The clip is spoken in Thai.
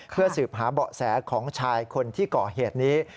เพื่อสืบหาเบาะแสของชายคนที่ก่อเหตุนี้